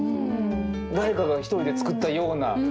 誰かが１人で作ったような。